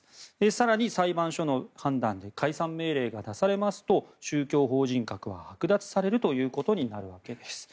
更に、裁判所の判断で解散命令が出されますと宗教法人格ははく奪されるということになるわけです。